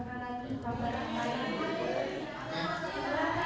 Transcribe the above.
sudah cukup pak